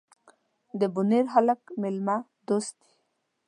ده بونیر هلک میلمه دوست دي.